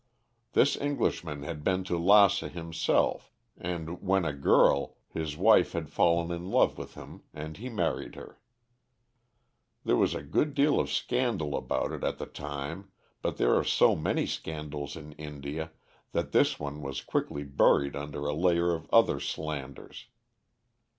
"This Englishman had been to Lassa himself and, when a girl, his wife had fallen in love with him and he married her. There was a good deal of scandal about it at the time, but there are so many scandals in India that this one was quickly buried under a layer of other slanders.